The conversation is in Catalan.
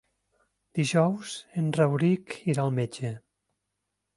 Dijous en Rauric irà al metge.